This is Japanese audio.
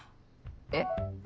えっ？